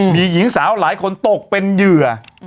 มีหญิงสาวหลายคนตกเป็นเหยื่อ